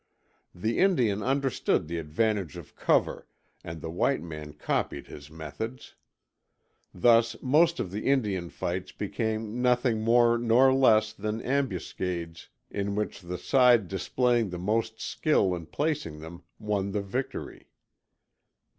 The Indian understood the advantage of cover, and the white man copied his methods. Thus most of the Indian fights became nothing more nor less than ambuscades in which the side displaying the most skill in placing them, won the victory.